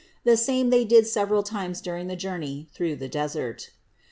The same they did several times during the journey through the desert.